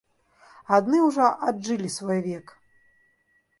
Адны ўжо аджылі свой век.